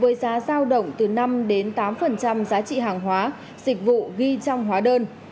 với giá giao động từ năm tám giá trị hàng hóa dịch vụ ghi trong hóa đơn